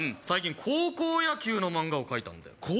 最近高校野球の漫画を描いたんだよ